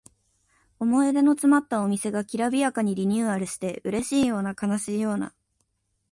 思い出のつまったお店がきらびやかにリニューアルしてうれしいような悲しいような